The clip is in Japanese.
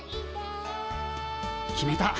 決めた。